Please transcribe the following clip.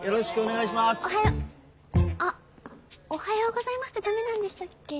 あっおはようございますってダメなんでしたっけ？